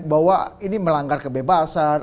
bahwa ini melanggar kebebasan